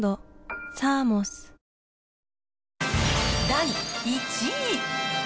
第１位。